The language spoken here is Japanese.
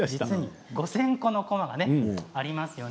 ５０００個のこまがあります。